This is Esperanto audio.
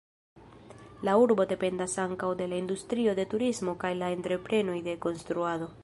La urbo dependas ankaŭ de la industrio de turismo kaj la entreprenoj de konstruado.